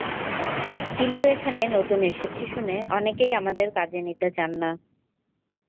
কিন্তু এখানে নতুন এসেছি শুনে অনেকেই আমাদের কাজে নিতে চান না।